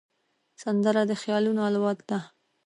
سندره د خیالونو الوت ده